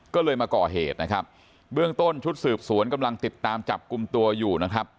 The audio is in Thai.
ก็เลยมาก่อเหตุนะครับเบื้องต้นชุดสืบสวนกำลังติดตามจับกลุ่มตัวอยู่นะครับ